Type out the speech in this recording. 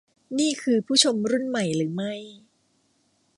นี่คือผู้ชมรุ่นใหม่หรือไม่